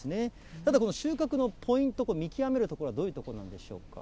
ただ、この収穫のポイント、見極めるところはどういうところなんでしょ